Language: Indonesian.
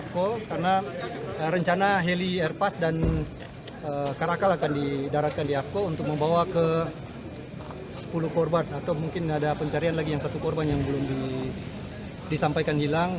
sepuluh korban atau mungkin ada pencarian lagi yang satu korban yang belum disampaikan hilang